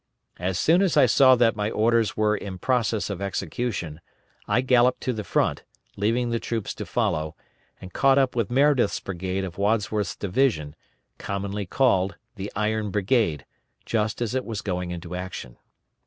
As soon as I saw that my orders were in process of execution, I galloped to the front, leaving the troops to follow, and caught up with Meredith's brigade of Wadsworth's division, commonly called "The Iron Brigade," just as it was going into action.